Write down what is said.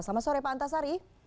selamat sore pak antasari